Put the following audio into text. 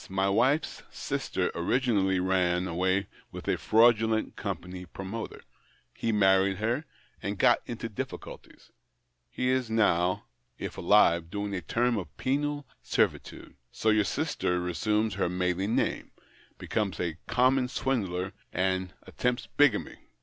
My wife's sister originally ran away with a fraudulent company promoter ; he married her, and got into difficulties ; he is now, if alive, doing a term of penal servi tude ; so your sister resumes her maiden name, becomes a common swindler, and attempts bigamy.